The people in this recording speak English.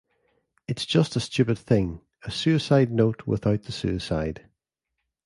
It's just a stupid thing-a suicide note without the suicide.